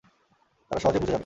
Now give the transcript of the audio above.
তারা সহজেই বুঝে যাবে।